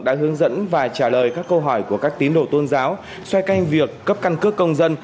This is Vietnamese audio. đã hướng dẫn và trả lời các câu hỏi của các tín đồ tôn giáo xoay canh việc cấp căn cước công dân